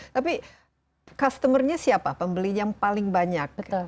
tapi customer nya siapa pembeli yang paling banyak